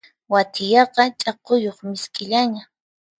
Wathiyaqa ch'akuyuq misk'illana.